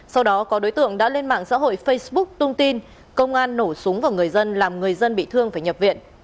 sau đó có đối tượng đã lên mạng xã hội facebook tung tin công an nổ súng vào người dân làm người dân bị thương phải nhập viện